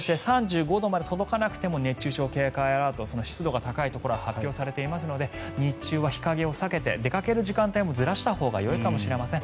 ３５度まで届かなくても熱中症警戒アラートが湿度が高いところは発表されていますので日中は日陰を避けて出かける時間帯もずらしたほうがいいかもしれません。